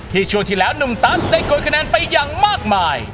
ช่วงที่แล้วหนุ่มตัสได้โกยคะแนนไปอย่างมากมาย